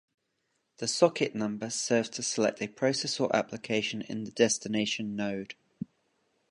The socket number serves to select a process or application in the destination node.